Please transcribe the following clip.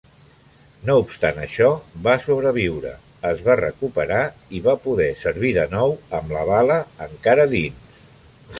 No obstant això, va sobreviure, es va recuperar i va poder servir de nou amb la bala encara dins.